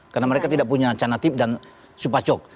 karena mereka tidak punya canatip dan supacok